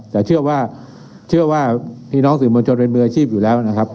แต่เชื่อว่าเชื่อว่าพี่น้องสื่อมวลชนเป็นมืออาชีพอยู่แล้วนะครับ